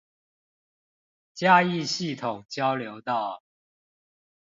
嘉義系統交流道